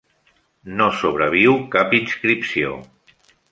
No sobreviu cap inscripció.